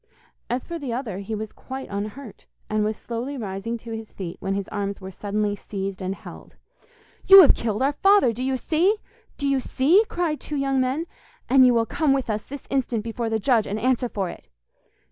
As for the other, he was quite unhurt, and was slowly rising to his feet when his arms were suddenly seized and held. 'You have killed our father, do you see? do you see?' cried two young men, 'and you will come with us this instant before the judge, and answer for it.